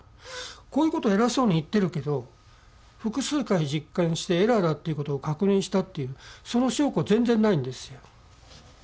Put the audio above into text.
こういうことを偉そうに言ってるけど複数回実験してエラーだっていうことを確認したっていうその証拠全然ないんですよ。